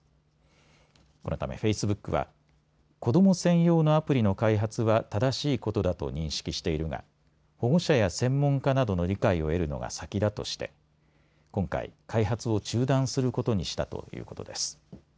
このためフェイスブックは子ども専用のアプリの開発は正しいことだと認識しているが保護者や専門家などの理解を得るのが先だとして今回、開発を中断することにしたということです。